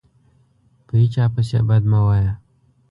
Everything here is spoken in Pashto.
په هیچا پسي بد مه وایه